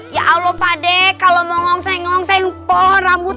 nah salah pade kalau mau enggak